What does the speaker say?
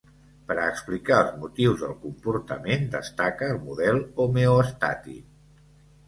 Per a explicar els motius del comportament destaca el model homeostàtic.